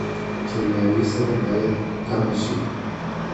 کیمیاوي سره باید کمه شي